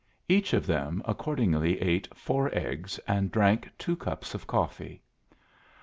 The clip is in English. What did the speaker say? Each of them accordingly ate four eggs and drank two cups of coffee.